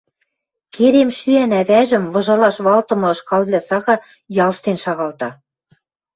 Керем шӱӓн ӓвӓжӹм выжалаш валтымы ышкалвлӓ сага ялштен шагалта.